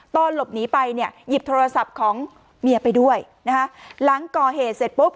ตอนหลบหนีไปเนี่ยหยิบโทรศัพท์ของเมียไปด้วยนะคะหลังก่อเหตุเสร็จปุ๊บ